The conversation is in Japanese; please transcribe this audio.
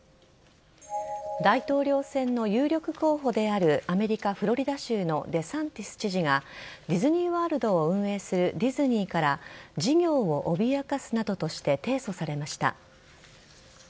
大統領選の有力候補であるアメリカ・フロリダ州のデサンティス知事がディズニー・ワールドを運営するディズニーから事業を脅かすなどとして提訴されました。